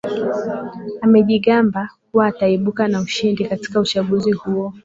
amejigamba kuwa ataibuka na ushindi katika uchaguzi huo